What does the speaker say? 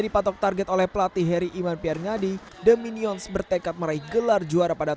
dipatok target oleh pelatih harry iman pierre ngadi dominions bertekad meraih gelar juara pada